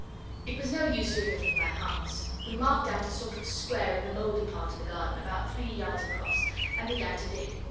It was no use doing the thing by halves. We marked out a sort of square in the mouldy part of the garden, about three yards across, and began to dig.